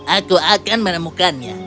aku akan menemukannya